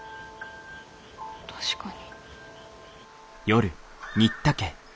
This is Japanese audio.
確かに。